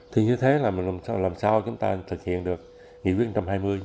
thế như thế là làm sao chúng ta thực hiện được nghị quyết một trăm hai mươi